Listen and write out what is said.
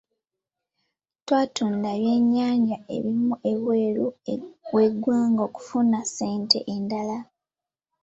Twatunda ebyennyanja ebimu ebweru w'eggwanga okufuna ssente endala.